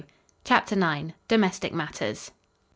CHAPTER IX. DOMESTIC MATTERS.